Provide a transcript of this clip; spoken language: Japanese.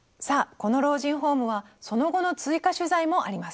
この老人ホームはその後の追加取材もあります。